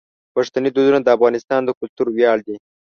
پښتني دودونه د افغانستان د کلتور ویاړ دي.